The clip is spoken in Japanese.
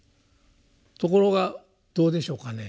ところがどうでしょうかね。